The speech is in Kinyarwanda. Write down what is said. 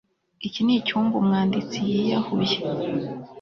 iki nicyumba umwanditsi yiyahuye